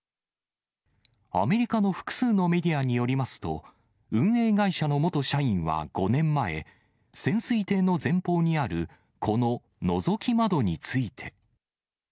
アメリカの複数のメディアによりますと、運営会社の元社員は５年前、潜水艇の前方にある、こののぞき窓について。